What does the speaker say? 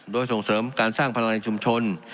โดยส่งเสริมการสร้างพลังในชุมชน